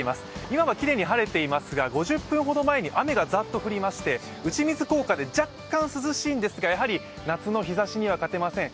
今はきれいに晴れていますが５０分ほど前に雨がざっと降りまして、打ち水効果で若干、涼しいんですが、やはり夏の日ざしには勝てません。